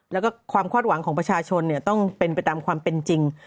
แล้วก็ความคาดหวังของประชาชนต้องเป็นไปตามความเป็นจริง